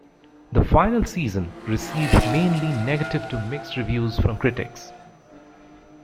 "The Final Season" received mainly negative to mixed reviews from critics.